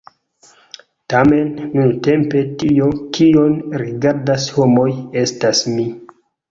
Tamen, nuntempe, tio, kion rigardas homoj, estas mi!